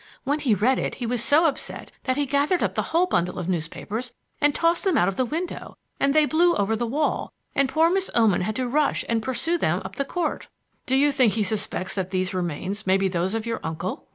When he read it he was so upset that he gathered up the whole bundle of newspapers and tossed them out of the window; and they blew over the wall, and poor Miss Oman had to rush and pursue them up the court." "Do you think he suspects that these remains may be those of your uncle?"